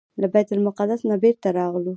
له بیت المقدس نه بیرته راغلو.